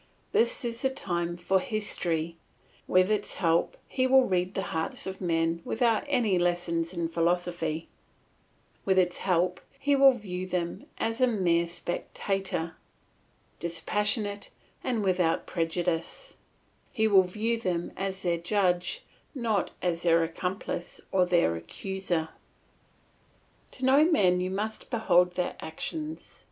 This is the time for history; with its help he will read the hearts of men without any lessons in philosophy; with its help he will view them as a mere spectator, dispassionate and without prejudice; he will view them as their judge, not as their accomplice or their accuser. To know men you must behold their actions.